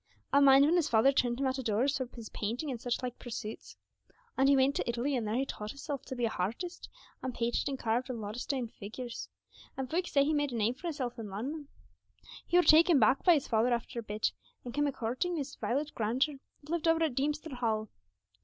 I mind when his father turned him out o' doors for his painting and sich like persoots. And he went to Italy, and there he taught hisself to be a hartist, and painted and carved a lot o' stone figures, and folks say he made a name for hisself in Lunnon. He were taken back by his father after a bit, and came a coorting Miss Violet Granger, that lived over at Deemster Hall.